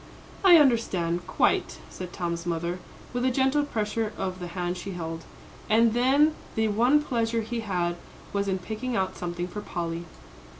"I understand quite," said Tom's mother, with a gentle pressure of the hand she held. "And then the one pleasure he had was in picking out something for Polly."